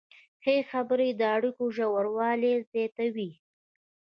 ښې خبرې د اړیکو ژوروالی زیاتوي.